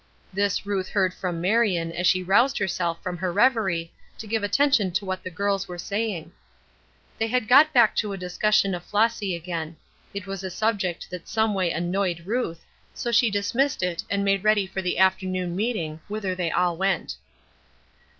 This Ruth heard from Marion as she roused herself from her reverie to give attention to what the girls were saying. They had got back to a discussion of Flossy again. It was a subject that someway annoyed Ruth, so she dismissed it, and made ready for the afternoon meeting, whither they all went.